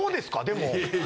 でも。